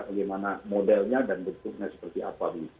bagaimana modelnya dan bentuknya seperti apa